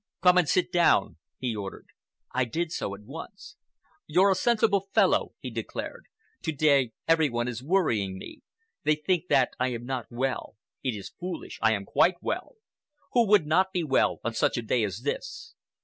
'Come and sit down,' he ordered. I did so at once. 'You're a sensible fellow,' he declared. 'To day every one is worrying me. They think that I am not well. It is foolish. I am quite well. Who would not be well on such a day as this?